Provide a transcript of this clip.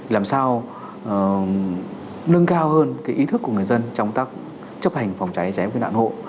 làm sao nâng cao hơn cái ý thức của người dân trong tác chấp hành phòng cháy cháy nạn hộ